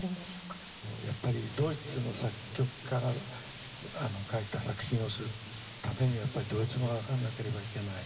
やっぱりドイツの作曲家が書いた作品をするためにはやっぱりドイツ語がわからなければいけない。